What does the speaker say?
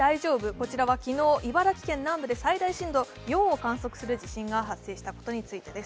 こちらは昨日、茨城県南部で最大震度４の地震が発生したことについてです。